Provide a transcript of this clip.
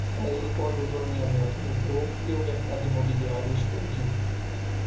Saí quando o zoneamento mudou e o mercado imobiliário explodiu.